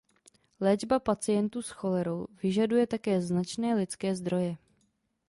Léčba pacientů s cholerou vyžaduje také značné lidské zdroje.